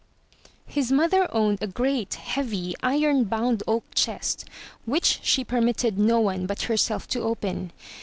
His mother owned a great, heavy, iron bound oak chest which she permitted no one but herself to open.